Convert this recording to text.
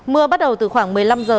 mưa bắt đầu từ khoảng một mươi năm h